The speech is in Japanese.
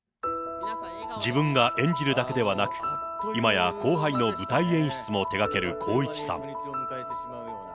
自分が演じるだけではなく、今や後輩の舞台演出も手がける光一さん。